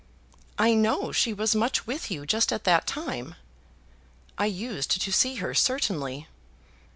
"I know she was much with you, just at that time." "I used to see her, certainly."